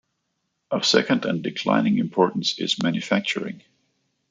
Of second and declining importance is manufacturing.